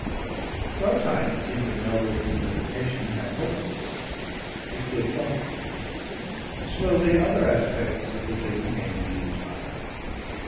For a time it seemed that Melville's interpretation had hold of her. She stood thoughtful. Slowly other aspects of the thing came into his mind.